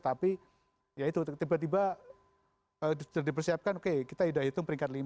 tapi tiba tiba dipersiapkan kita sudah hitung peringkat lima